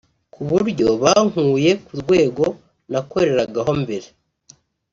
ku buryo bankuye ku rwego nakoreragaho mbere